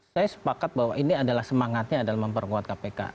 saya sepakat bahwa ini adalah semangatnya adalah memperkuat kpk